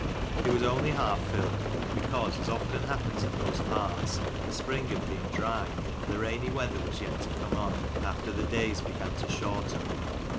It was only half filled, because, as often happens in those parts, the spring had been dry, and the rainy weather was yet to come on, after the days began to shorten.